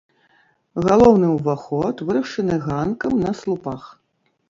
Галоўны ўваход вырашаны ганкам на слупах.